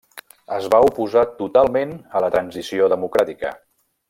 Es va oposar totalment a la transició democràtica.